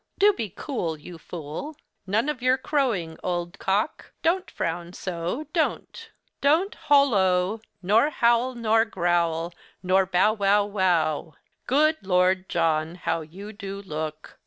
Do be cool, you fool! None of your crowing, old cock! Don't frown so—don't! Don't hollo, nor howl nor growl, nor bow wow wow! Good Lord, John, how you do look!